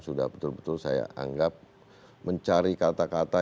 sudah betul betul saya anggap mencari kata kata